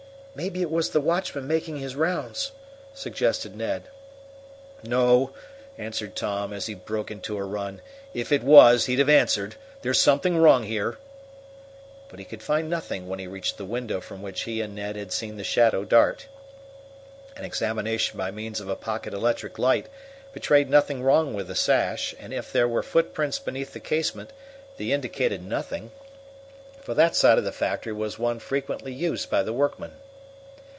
"Maybe it was the watchman making his rounds," suggested Ned. "No," answered Tom, as he broke into a run. "If it was, he'd have answered. There's something wrong here!" But he could find nothing when he reached the window from which he and Ned had seen the shadow dart. An examination by means of a pocket electric light betrayed nothing wrong with the sash, and if there were footprints beneath the casement they indicated nothing, for that side of the factory was one frequently used by the workmen.